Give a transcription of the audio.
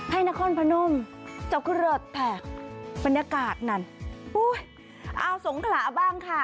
ให้นครพนมเจ้าคือเลิศแผกบรรยากาศนั่นเอาสงขระบ้างค่ะ